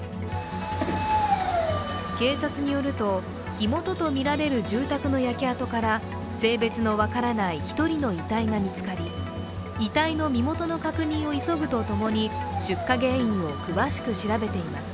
警察によると火元とみられる住宅の焼け跡から性別の分からない１人の遺体が見つかり、遺体の身元の確認を急ぐとともに出火原因を詳しく調べています。